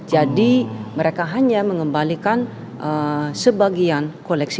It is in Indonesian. jadi mereka hanya mengembalikan sebagian koleksi